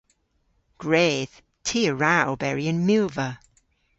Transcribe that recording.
Gwredh. Ty a wra oberi yn milva.